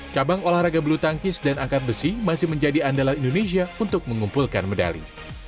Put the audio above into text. cabang olahraga bulu tangkis dan angkat besi masih menjadi andalan indonesia untuk mengumpulkan medali